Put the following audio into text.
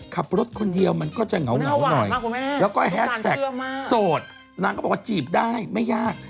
ขับรถคนเดียวมันก็จะเหงาหน่อยแล้วก็แฮสแท็กโสดนางก็บอกว่าจีบได้ไม่ยาก